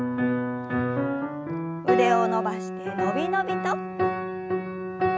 腕を伸ばしてのびのびと。